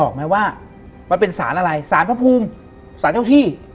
บอกไหมว่ามันเป็นศาลอะไรศาลภพูมศาลเจ้าที่